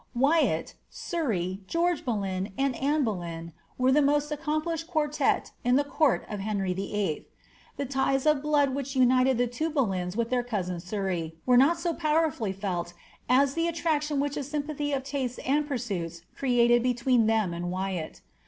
Wyatt, Surrey, George Boleyn, and Anne Boleyn, were the most accomplished quartette in the court of Heiyy VIII. The ties of blood which united the two Boleyns with their cousin Surrey were not so powerfully felt as the attraction which a sympathy of tastes and pursuits created between them and Wyatt.